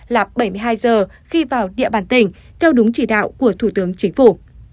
là bảy mươi hai giờ khi vào địa bàn tỉnh theo đúng chỉ đạo của thủ tướng chính phủ